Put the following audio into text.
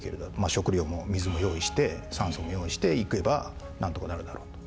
食料も水も用意して酸素も用意して行けばなんとかなるだろうと。